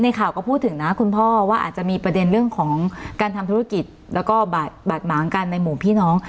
ข่าวก็พูดถึงนะคุณพ่อว่าอาจจะมีประเด็นเรื่องของการทำธุรกิจแล้วก็บาดหมางกันในหมู่พี่น้อง